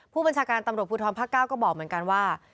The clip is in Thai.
ผู้บัญชาการตำรวจภูทรภาค๙ก็บอกเหมือนกันว่า